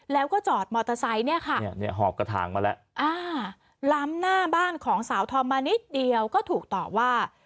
แล้วก็จอดมอเตอร์ไซค์เนี่ยค่ะหอบกระถางมาแล้วล้ำหน้าบ้านของสาวธอมมานิดเดียวก็ถูกต่อว่า